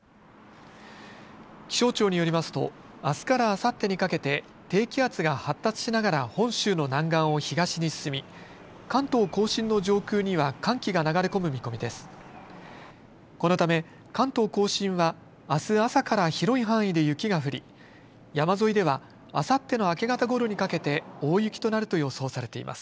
気象庁によりますとあすからあさってにかけて低気圧が発達しながら本州の南岸を東に進み関東甲信の上空には寒気が流れ込む見込みです。